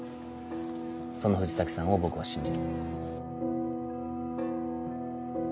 その藤崎さんを僕は信じる。